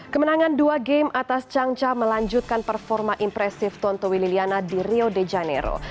kemenangan dua game atas chang cha melanjutkan performa impresif tontowi liliana di rio de janeiro